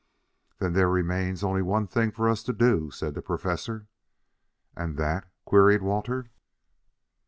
"Then there remains only one thing for us to do," said the Professor. "And that?" queried Walter.